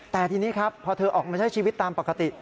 แต่ทีนี้ครับพอเธอออกมาใช้ชีวิตตามปกติ